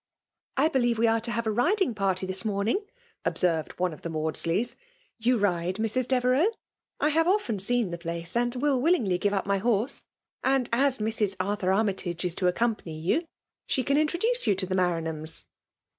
'.'^ I believe we are to have a ridiiiig pactjr this morning,'* observed one of the Maudslejiw. '' You tide, Mrs. Devereux ? I have often seen the place* and will willingly give up my. horse; abd as Mrs. Arthur Armytage is to acoom* pany you, she can introduce you to the Ma<» ranhams."